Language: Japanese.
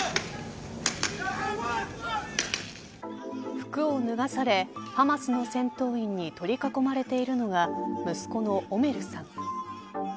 服を脱がされハマスの戦闘員に取り囲まれているのは息子のオメルさん。